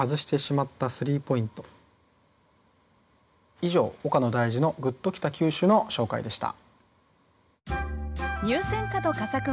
以上「岡野大嗣の“グッときた九首”」の紹介でした。